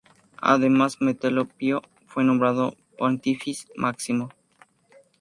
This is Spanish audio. Además, Metelo Pío fue nombrado pontífice máximo.